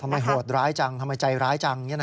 โหดร้ายจังทำไมใจร้ายจัง